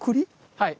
はい。